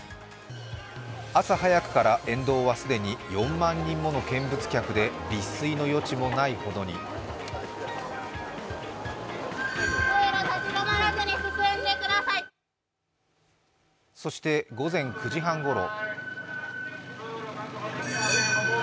朝早くから沿道は既に４万人もの見物客で立すいの余地もないほどにそして午前９時半ごろ。